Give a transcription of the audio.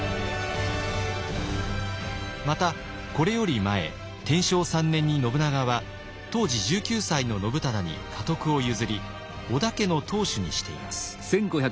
またこれより前天正３年に信長は当時１９歳の信忠に家督を譲り織田家の当主にしています。